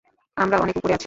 আমরা অনেক উপরে আছি।